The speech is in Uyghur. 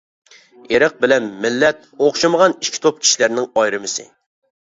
ئىرق بىلەن مىللەت ئوخشىمىغان ئىككى توپ كىشىلەرنىڭ ئايرىمىسى.